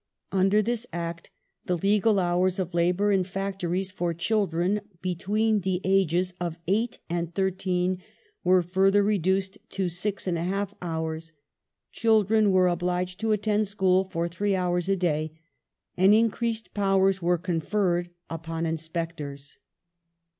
Under this Act the legal houi s of labour in factories for children between the ages of eight and thirteen were further reduced to six and a half hours, children were obliged to attend school for three hours a day, and increased powers were conferred upon inspectors.